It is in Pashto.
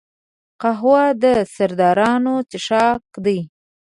قهوه د سردارانو څښاک دی